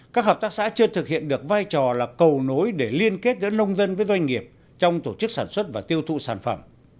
các hợp tác xã chưa thực hiện được vai trò là cầu nối để liên kết giữa nông dân với doanh nghiệp trong tổ chức sản xuất và tiêu thụ sản phẩm